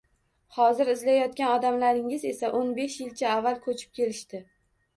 — Hozir izlayotgan odamlaringiz esa o`n besh yilcha avval ko`chib kelishdi